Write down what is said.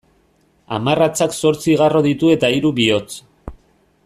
Hamarratzak zortzi garro ditu eta hiru bihotz.